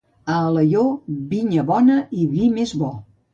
A Alaior, vinya bona i vi més bo.